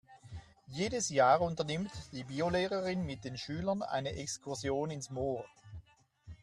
Jedes Jahr unternimmt die Biolehrerin mit den Schülern eine Exkursion ins Moor.